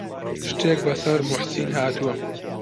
شتێک بەسەر موحسین هاتووە؟